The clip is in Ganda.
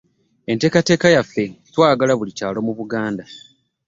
Enteekateeka yaffe twagala buli kyalo mu Buganda.